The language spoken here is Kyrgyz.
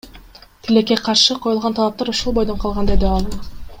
Тилекке каршы, коюлган талаптар ошол бойдон калган, — деди ал.